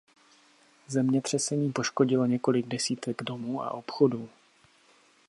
Zemětřesení poškodilo několik desítek domů a obchodů.